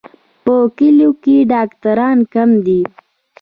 په کلیو کې ډاکټران کم دي.